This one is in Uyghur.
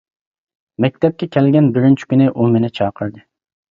مەكتەپكە كەلگەن بىرىنچى كۈنى ئۇ مېنى چاقىردى.